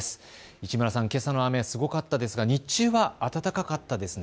市村さん、けさの雨、すごかったですが日中は暖かかったですね。